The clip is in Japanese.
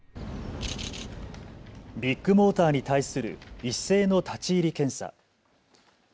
ビッグモーターに対する一斉の立ち入り検査。